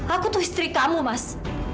aku tuh istri kamu mas